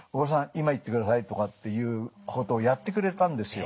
今行ってください」とかっていうことをやってくれたんですよ。